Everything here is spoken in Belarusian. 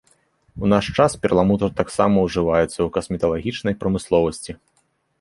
У наш час перламутр таксама ўжываецца ў касметалагічнай прамысловасці.